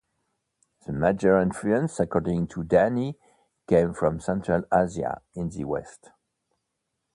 The major influence, according to Dani, came from Central Asia in the west.